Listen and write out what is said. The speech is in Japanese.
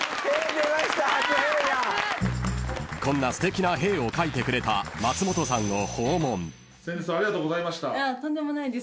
［こんなすてきなへぇーを書いてくれた松本さんを］